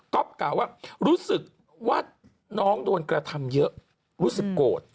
กล่าวว่ารู้สึกว่าน้องโดนกระทำเยอะรู้สึกโกรธ